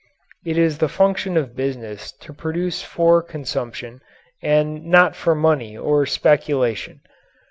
It is the function of business to produce for consumption and not for money or speculation.